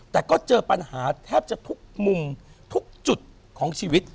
แต่ก็เจอปัญหาแทบจะทุกมุมทุกจุดของชีวิต